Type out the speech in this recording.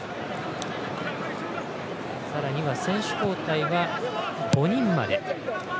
さらには選手交代は５人まで。